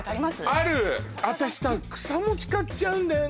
ある私さ草餅買っちゃうんだよね